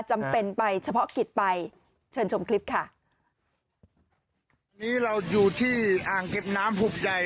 จำเป็นไปเฉพาะกิจไปเชิญชมคลิปค่ะ